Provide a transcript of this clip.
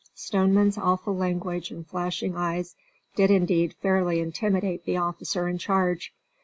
Stoneman's awful language and flashing eyes did indeed fairly intimidate the officer in charge.